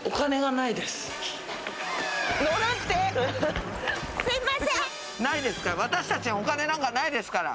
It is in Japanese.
ないですから私たちお金なんかないですから。